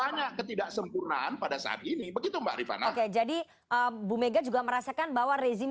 banyak ketidaksempurnaan pada saat ini begitu mbak rifana oke jadi bu mega juga merasakan bahwa rezim